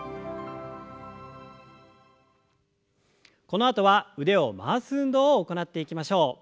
このあとは腕を回す運動を行っていきましょう。